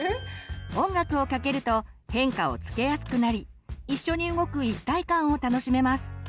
音楽をかけると変化をつけやすくなりいっしょに動く一体感を楽しめます。